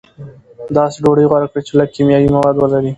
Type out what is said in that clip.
داسې ډوډۍ غوره کړئ چې لږ کیمیاوي مواد ولري.